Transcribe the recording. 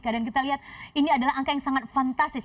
dan kita lihat ini adalah angka yang sangat fantastis